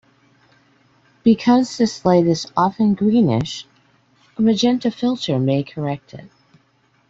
Because this light is often greenish, a magenta filter may correct it.